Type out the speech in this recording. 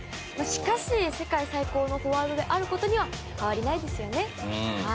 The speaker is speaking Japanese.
しかし、世界最高のフォワードであることには変わりないですよね。